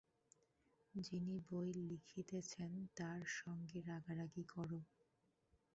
যিনি বই লিখিতেছেন তাঁর সঙ্গে রাগারাগি করো।